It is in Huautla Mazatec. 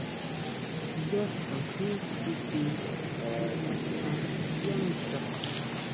Yá xkajén tsitin sejnatʼa yá mixa.